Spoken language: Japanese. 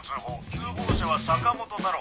通報者は坂本太郎。